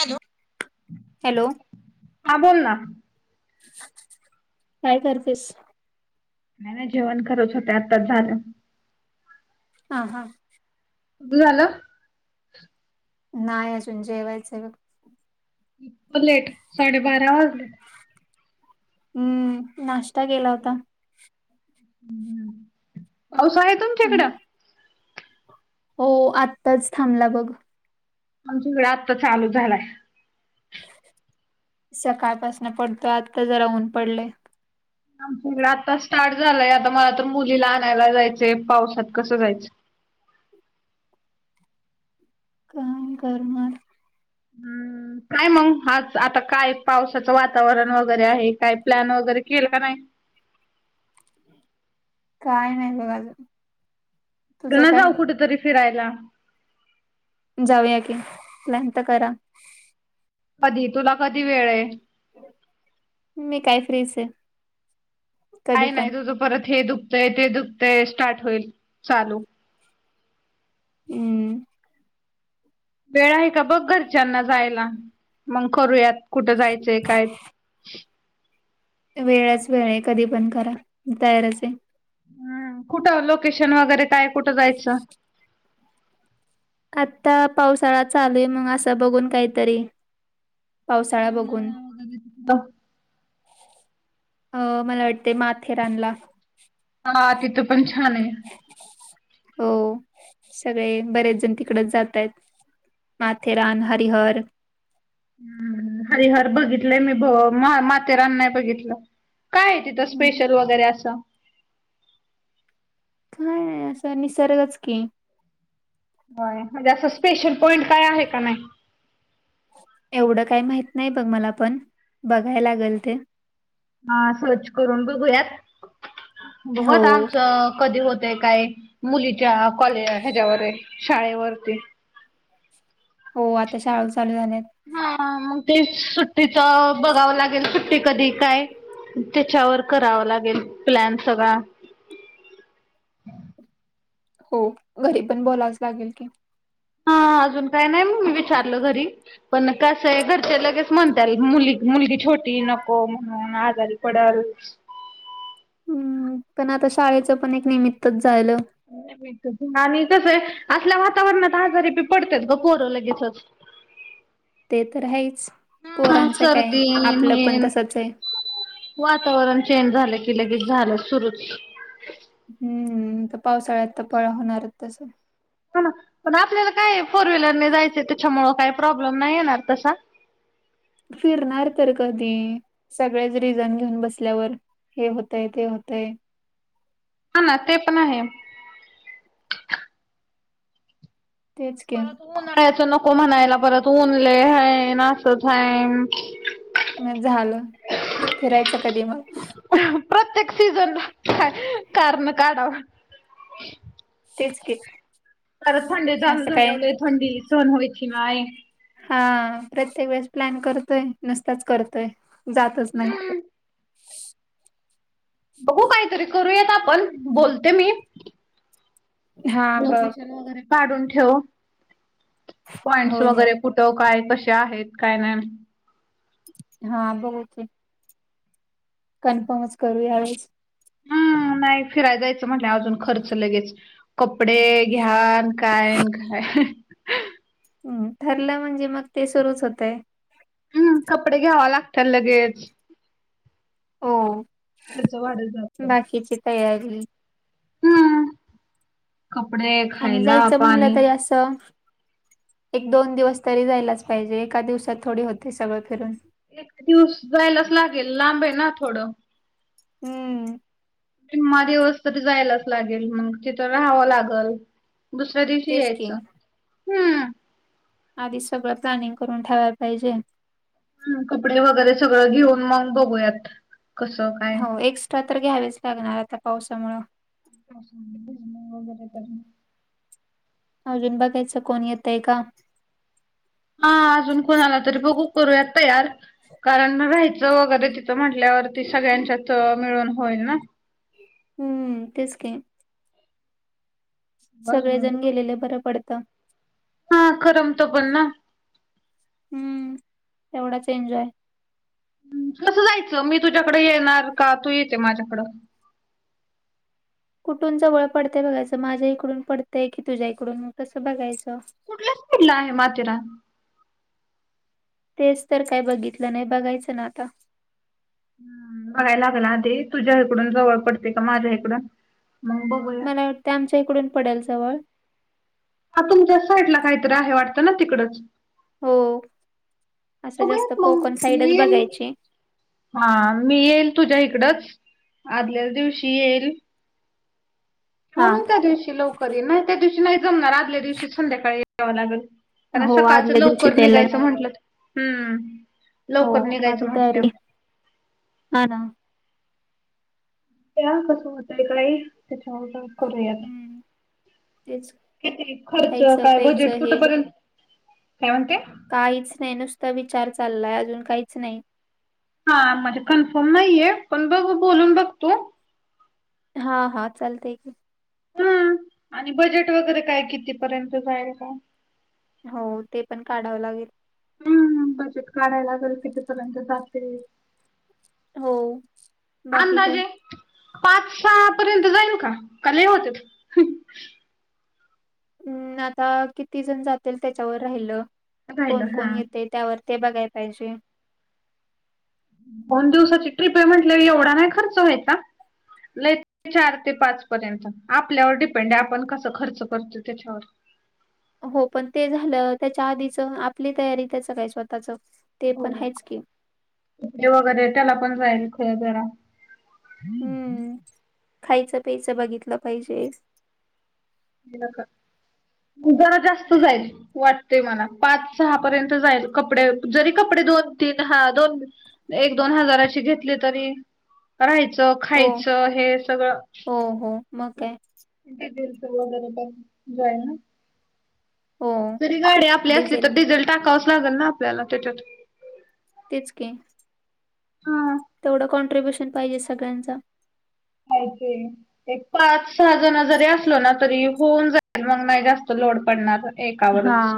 Hello. Hello. हा बोल ना. काय करतेस? नाही नाही जेवण करत होते आत्ताच झालं. हा हा. तुमचं झालं. नाही अजून जेवायचंय बघ लेट साडे बारा वाजले. हम्म नाष्टा केला होता. ह पाऊस आहे हम्म. तुमच्याइकडं? हो आत्ताच थांबला बघ. आमच्याकडे आत्ता चालू झालाय. सकाळपासन पडतोय आत्ता जरा ऊन पडलय आमच्याहिकडं आताचं स्टार्ट झालाय, आता मला तर मुलीला आणायला जायचंय, पावसात कसं जायचं? काम कर म [unintelligible] [inaudible] हम्म काय मग आज आता काय पावसाचं वातावरण वगैरे आहे, काय प्लॅन वगैरे केला का नाही? काय नाही बघ अजून. च तुझं ना काय जाऊ कुठ तरी फिरायला? जाऊया की, प्लॅन तर करा. कधी तुला कधी वेळ हाय? मी काय फ्रीच ए. काय नाही तुझं परत हे दुखतंय, ते दुखतंय स्टार्ट होईल चालू. हुं. वेळ आहे का बघ घरच्यांना जायला? मग करूयात कुठं जायचंय काय? वेळच वेळ हाये, कधी पण करा तयारच आहे. हूम कुठं लोकेशन वगैरे काय कुठं जायचं? आता पावसाळा चालू ए, मग असं बघून काहीतरी. पावसाळा बघून लोणावळा वगैरे त अ मला वाटतय माथेरानला. हा तिथं पण छान हाये. हो सगळे बरेच जण तिकडच जातायेत. माथेरान, हरिहर. हरीहर बघितलंय मी, भ माथेरान नाही बघितलं. काय हाय तिथं स्पेशल वगैरे आसं. काय नाही असं निसर्गच की. होय म्हणजे असं स्पेशल पॉईंट काय आहे का नाही? एवढं काय माहित नाही बघ मला, पण बघाय लागल ते. हा सर्च करून बघूयात, बघु हो. आता आमचं कधी होत तय काय मुलीच्या कॉलेज हेच्यावर हाय शाळेवरती. हो आता शाळा चालू झाल्यात. हा मग ते सुट्टीच बघावं लागेल, सुट्टी कधी काय? तेच्यावर करावं लागेल प्लॅन सगळा. हो घरी पण बोलावचं लागेल की. हा अजून काय नाही म मी विचारल घरी. पण कसं य घरचे लगेच म्हणत्याल, मुली मुलगी छोटी नको म्हणून आजारी पडल. हू म्म पण आता शाळेचं पण, एक निमित्तच झायलं. आणि कसं य असल्या वातावरणात, आजारी बी पडत्यात ग पोरं लगेचच. ते तर हाइच, हा पोरांचं काय सर्दी आपलं पण हे तसच हाय. वातावरण चेंज झालं की, लगेच झालं सुरूच. हम्म तर पावसाळ्यात तर पळा होणारच तसं. हा ना, पण आपल्याला काय फोर व्हीलरने जायचं त्याच्यामुळं काही प्रॉब्लेम नाही येणार तसा. फिरणार तर कधी? सगळेच रिझन घेऊन बसल्यावर. हे होतंय, ते होतंय. हा ना, ते पण आहे. तेच की परत उन्हाळ्याचं नको म्हणायला, परत ऊन लय हाय आणि असंच हाय मग झालं, फिरायच कधी मग? प्रत्येक सीझनला कारणं काढावं तेच की. परत थंडी चालू असं काय झाल्याव लय थंडी सहन व्हायची नाय. हा प्रत्येक वेळेस प्लॅन करतोय, नुसताच करतोय जातच नाही. बघू काही तरी करूयात आपण, बोलते मी - हा बघ लोकेशन वगैरे काढून ठेव, पॉइंट्स होय वगैरे होय कुठ ट काय कशे आहेत काय नाही. हा बघु की. कन्फर्मच करू यावेळेस. हम्म, नाही फिराय जायचं म्हटल्यावर अजून खर्च लगेच. कपडे घ्या अन काय अन काय. हम्म, ठरलं म्हणजे मग ते सुरूच होतंय. हम्म, कपडे घ्यावा लागत्याल लगेच. हो, खर्च वाढत जातोय. बाकीची तयारी हम्म कपडे आणि खायला जायचं म्हणलं पाणी तरी असं एक दोन दिवस तरी जायलाच पाहिजे, एका दिवसात थोडी होतंय सगळं फिरून. एक दिवस जायलाच लागेल लांब आहे ना थोडं. हम्म. निम्मा दिवस तरी जायलाच लागेल मग तिथं राहावं लागलं. दुसऱ्या दिवशी तेच की यायचं, हम्म. आधीच सगळं प्लॅनिंग करून ठेवाय पाहिजे. हम्म, कपडे वगैरे सगळं घेऊन मग बघूयात. कसं काय हो एक्स्ट्रा तर घ्यावेच लागणार आता पावसामुळं. अजून भिजलो वैगेरे तरी. अजून बघायचं कोण येतंय का. हा अजून कोणाला तरी बघू, करूयात तयार. कारण राहायचं वगैरे तिथं म्हंटल्यावरती सगळ्यांच्यात अ मिळून होईल ना. हम्म तेच की. बाजू मी सगळेजण बोलते गेलेले बरं पडतं. हा करमत पण ना. हम्म, तेवढाच एन्जॉय. कसं जायचं, मी तुझ्याकडं येणार का तू येते माझ्याकडं? कुठून जवळ पडतंय बघायचं, माझ्या इकडून पडतंय की तुझ्या इकडून? मग तसं बघायचं. कुठल्या सायडला आहे माथेरान? तेच तर काय बघितलं नाही, बघायचं ना आता. हम्म बघायला लागलं आधी तुझ्या हिकडून जवळ पडतंय का माझ्या हिकडून. मग बघु मला वाटतंय आमच्या हिकडून पडल जवळ. हा तुमच्याच साईटला काहीतरी आहे वाटतं ना तिकडच. हो, असं जास्त बघूयात मग कोकण साईडच मी येईल बघायची. हा, मी येईल तुझ्या हिकडच आदल्याच दिवशी येईल. हो हा मग त्या दिवशी लवकर येईन, नाही त्या दिवशी नाही जमणार आदल्या दिवशीच संध्याकाळी यावं लागल. कारण हो सकाळचं आदल्या लवकर दिवशीच यायला निघायचं लागणार म्हंटलं हम्म हो लवकर निघायचं आधी म्हंटल्याव. तयारी हा ना. प्लॅन कसं होतंय ताई त्याच्या आगोदर करूयात हम्म तेच किती खर्च खायचं काय प्यायचं बजेट हे कुठपर्यंत? काय म्हणते? काहीच नाही नुसता विचार चाललाय अजून काहीच नाही. हा म्हणजे कन्फर्म नाहीये पण बघू बोलून बघतो हा हा चालतय की हा आणि बजेट वगैरे काय कितीपर्यंत जाईल काय? हो ते पण काढावं लागेल. हम् बजेट काढाय लागल किती पर्यंत जातय हो बाकी काय? अंदाजे पाच सहा पर्यंत जाईल का? काय लय होतेत? हम् आता किती जण जातील त्याच्यावर राहिलं राहिलं कोण हा कोण येतय? त्यावर ते बघाय पाहिजे. दोन दिवसाची ट्रीप हाय म्हटल्यावर एवढा नाही खर्च व्हायचा लय नाही चार ते पाच पर्यंत आपल्यावर डिपेंड आहे आपण कस खर्च करतो त्याच्यावर हो पण ते झालं त्याच्या आधीच आपली तयारी त्याचं काय स्वतःच ते पण होना आहेच की ते वगैरे त्याला पण जाईल खर जरा हम्म खायचं प्यायचं बघितलं पाहिजे दिलका जरा जास्त जाईल वाटते मला पाच सहा पर्यंत जाईल कपडे जरी कपडे दोन तीन हा दोन एक दोन हजाराची घेतली तरी राहायचं हो खायचं हे सगळं हो हो मग काय किती दूरचं एवढं न पण जाईल ना हो जरी गाडी आपली असली तर डिझेल टाकावंच लागेल ना आपल्याला त्याच्यात तेच की हा तेवढं कॉन्ट्र्रीब्युशन पाहिजे सगळ्यांचं हाय ते एक पाच सहा जण जरी असलो ना तरी होऊन जाईल मग नाही जास्त लोड पडणार हा एकावरच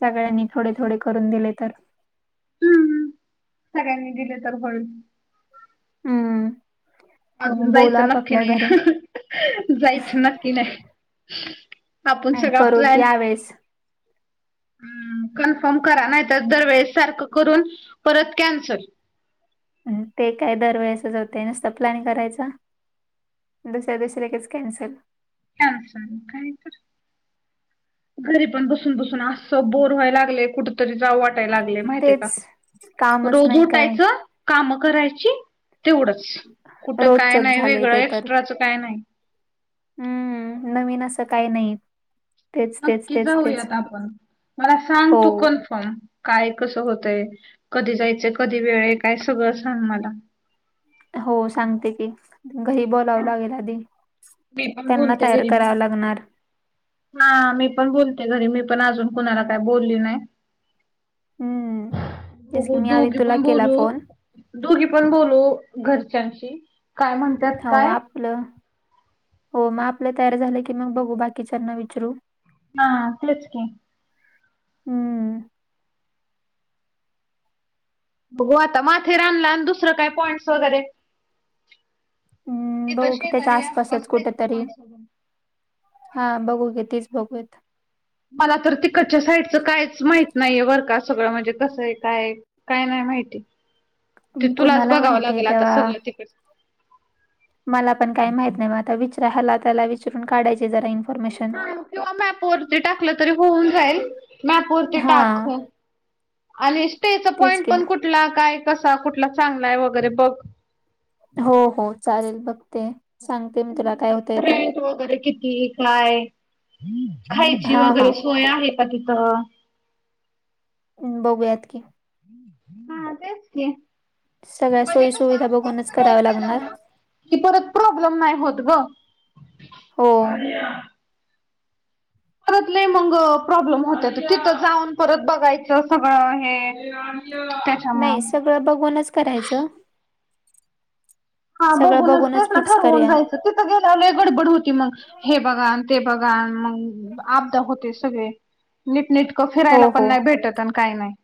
सगळ्यांनी थोडे थोडे करून दिले तर हम्म सगळ्यांनी दिले तर होईल हम्म बघू अजून बोलू जायचं नक्की आपापल्या नाही घरी [unintelligible] जायचं नक्की नाही आपण आणि सगळा करू की प्लॅन यावेेळेस ह् कन्फर्म करा नाही तर दरवेेळेस सारखं करून परत कॅन्सल ते काय दरवेेळेस होतय नुसतं प्लॅन करायचं दुसऱ्या दिवशी लगेच कॅन्सल कॅन्सल काही तर घरी पण बसून बसून असं बोर व्हाय लागलय कुठेतरी जाऊ वाट टाय लागलय माहिते का तेच कामच रोज नाही काय उटायचं काम करायची तेवढच कुठं काय रोजचच नाही झाले वेगळं ते तर एक्स्ट्राचं काय नाही हम्म नवीन असं काही नाही तेच तेच नक्की तेच तेच जाऊयात आपण मला सांग हो तू कन्फर्म काय, कसं होतंय, कधी जायचं, कधी वेळ, काय सगळं सांग मला? हो सांगते की घरी बोलावं लागेल आधी मी पण त्यांना बोलते तयार घरी कराव लागणार. हा मी पण बोलते घरी मी पण अजून कुणाला काय बोलली नाही. हम्म तेच की बघू मी आधी दोघी तुला पण केला बोलू. फोन दोघी पण बोलू घरच्यांशी काय म्हणतात हो काय. आपलं हो मग आपलं तयार झालं की मग बघू बाकीच्यांना विचरू. हा, तेच की. हम्म बघू आता माथेरानला आणि दुसरं काय पॉईंट्स वगैरे. हम्म, तिथं बघू की त्याच्या शेजारी आसपास आसपासच आहेत का कुठेतरी पाॅईंट्स सोडून. हा बघू की तेच बघूयात. मला तर तिकटच्या साईडचं कायच माहित नाहीये बर का सगळं म्हणजे कसं आहे काय. काय नाही माहिती ते तुलाच कुणाला बघावं माहित आहे लागेल आता तेव्हा सगळं तिकडंच. मला पण काय माहित नाही बघ आता विचरा ह्याला त्याला विचरून काढायची जरा इन ''--'' हा किंवा मॅप वरती टाकलं तरी होऊन जाईल मॅप वरती हा टाक ह. आणि स्टेचा तेच पॉइंट की पण कुठला काय कसा कुठला चांगलाय वगैरे बघ. हो हो, चालेल बघते. सांगते मी तुला काय होतंय ते रेंट वगैरे किती काय. खायची हा हा वगैरे सोय आहे का तिथं. बघूयात की. हा, तेच की. सगळ्या म्हणजे सोयी सुुविधा बघूनच कराव्या लागणार. कि परत प्रॉब्लेम नाही होत गं. हो परत लई मंग प्रॉब्लेम होतेतं तिथं जाऊन परत बघायचं सगळं हे. त्याच्या. नाही सगळं बघूनच करायचं. हा सगळं बघूनच तेच ना फिक्स ठरवून करूया जायचं. तिथं गेल्यावर लई गडबड होती मग हे बघा अन ते बघान मग. आपदा होते सगळ नीटनेटकं फिरायला हो पण हो नाही भेटत आणि काही नाही.